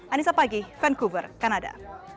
anissa pagih vancouver kanada